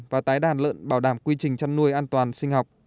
và tái đàn lợn bảo đảm quy trình chăn nuôi an toàn sinh học